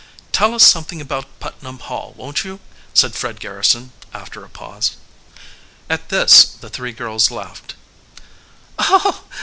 "Tell us something about Putnam Hall, won't you?" said Fred Garrison, after a pause. At this the three girls laughed.